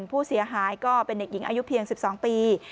ผู้เสียหายก็เป็นเด็กหญิงอายุเพียง๑๒ปี